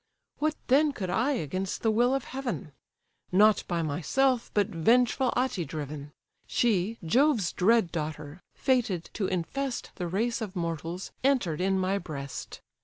What then could I against the will of heaven? Not by myself, but vengeful Ate driven; She, Jove's dread daughter, fated to infest The race of mortals, enter'd in my breast.